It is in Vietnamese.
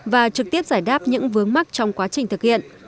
và trực tiếp giải đáp những vướng mắt trong quá trình thực hiện